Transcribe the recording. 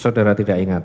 saudara tidak ingat